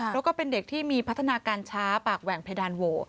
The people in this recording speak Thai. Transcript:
แล้วก็เป็นเด็กที่มีพัฒนาการช้าปากแหว่งเพดานโหวต